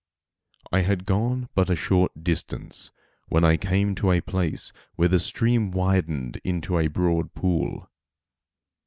I had gone but a short distance when I came to a place where the stream widened into a broad pool.